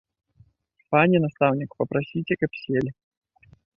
Пане настаўнік, папрасіце, каб селі.